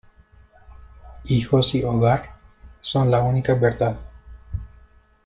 Hijos y hogar, son la única verdad.